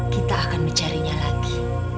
kita akan mencarinya lagi